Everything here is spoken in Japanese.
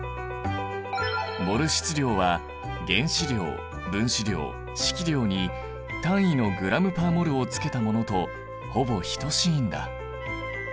モル質量は原子量分子量式量に単位のｇ／ｍｏｌをつけたものとほぼ等しいんだ。